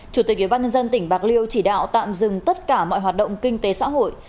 chủ tịch ubnd tỉnh bạc liêu chỉ đạo tạm dừng tất cả mọi hoạt động kinh tế xã hội